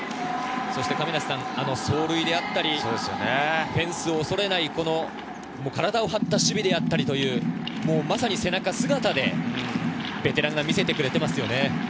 そして走塁であったり、フェンスを恐れない体を張った守備であったり、背中・姿でベテランが見せてくれていますね。